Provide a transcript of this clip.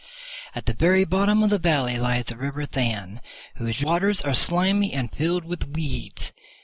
At the very bottom of the valley lies the river Than, whose waters are slimy and filled with weeds.